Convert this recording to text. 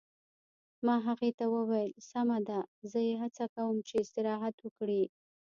ما هغې ته وویل: سمه ده، زه یې هڅه کوم چې استراحت وکړي.